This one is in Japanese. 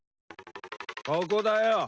ここだよ。